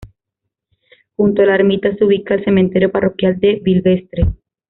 Junto a la ermita se ubica el cementerio parroquial de Vilvestre.